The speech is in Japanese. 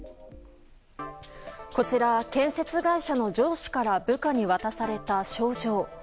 こちら、建設会社の上司から部下に渡された賞状。